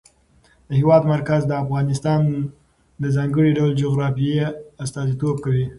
د هېواد مرکز د افغانستان د ځانګړي ډول جغرافیه استازیتوب کوي.